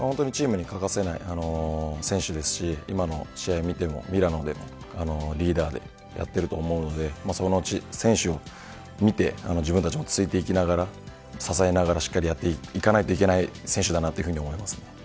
本当にチームに欠かせない選手ですし今の試合を見てもミラノでもリーダーでやってると思うのでその選手を見て自分たちもついていきながら支えながらしっかりやっていかないといけない選手だなというふうに思います。